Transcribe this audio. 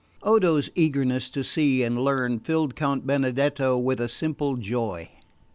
Odo's eagerness to see and learn filled Count Benedetto with a simple joy.